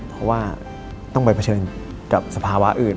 เพราะว่าต้องไปเผชิญกับสภาวะอื่น